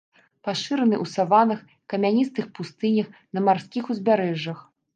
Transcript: Пашыраны ў саваннах, камяністых пустынях, на марскіх узбярэжжах.